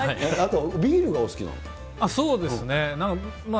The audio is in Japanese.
あとビールがお好きそうですね。